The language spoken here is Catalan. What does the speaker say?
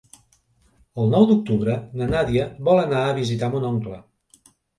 El nou d'octubre na Nàdia vol anar a visitar mon oncle.